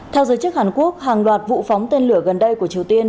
theo giới chức hàn quốc hàng loạt vụ phóng tên lửa gần đây của triều tiên